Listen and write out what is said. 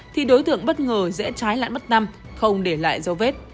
thì đối tượng bất ngờ dễ trái lãn bất tâm không để lại dấu vết